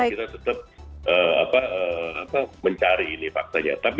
kita tetap mencari ini faktanya